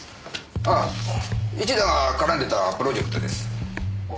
ああ市田が絡んでたプロジェクトです。